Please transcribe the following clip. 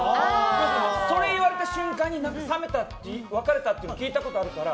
それを言われた瞬間に冷めて別れたと聞いたことがあるから。